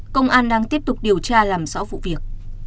công an đang tiếp tục điều tra làm rõ vụ việc